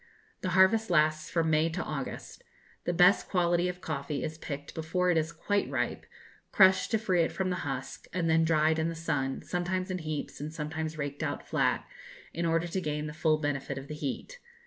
The harvest lasts from May to August. The best quality of coffee is picked before it is quite ripe, crushed to free it from the husk, and then dried in the sun, sometimes in heaps, and sometimes raked out flat, in order to gain the full benefit of the heat.